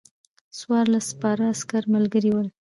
څوارلس سپاره عسکر ملګري ول.